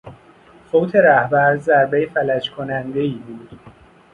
فوت رهبر ضربهی فلج کنندهای بود.